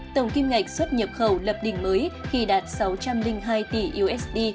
tổng kim ngạch xuất nhập khẩu lập đỉnh mới khi đạt sáu trăm linh hai tỷ usd